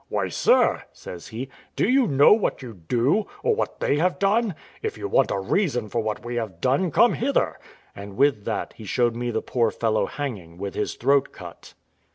"Why, sir," says he, "do you know what you do, or what they have done? If you want a reason for what we have done, come hither;" and with that he showed me the poor fellow hanging, with his throat cut.